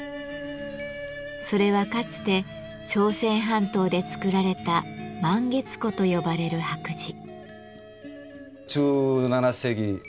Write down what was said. それはかつて朝鮮半島で作られた「満月壺」と呼ばれる白磁。